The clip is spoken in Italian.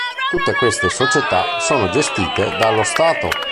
Tutte queste società sono gestite dallo Stato.